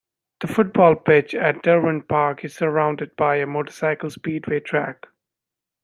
The football pitch at Derwent Park is surrounded by a motorcycle speedway track.